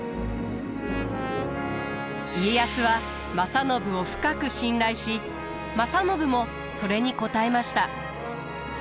家康は正信を深く信頼し正信もそれに応えました。